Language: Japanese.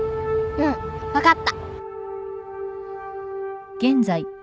うん。分かった